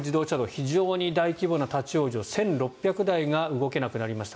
非常に大規模な立ち往生１６００台が動けなくなりました。